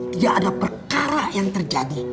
tidak ada perkara yang terjadi